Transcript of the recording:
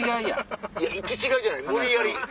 いや行き違いじゃない無理やり。